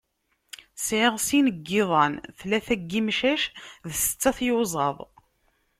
Sεiɣ sin yiḍan, tlata n yimcac d setta tyuzaḍ.